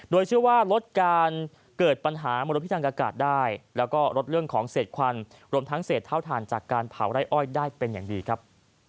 โดยเชื่อว่าลดการเกิดปัญหามลพิษทางอากาศได้แล้วก็ลดเรื่องของเศษควันรวมทั้งเศษเท่าฐานจากการเผาไร่อ้อยได้เป็นอย่างดีครับ